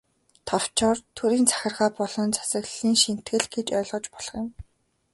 Товчоор, төрийн захиргаа болон засаглалын шинэтгэл гэж ойлгож болох юм.